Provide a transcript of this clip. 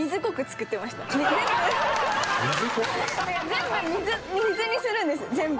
全部「水」にするんです全部。